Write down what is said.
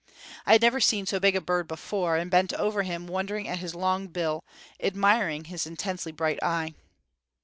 I had never seen so big a bird before, and bent over him wondering at his long bill, admiring his intensely bright eye.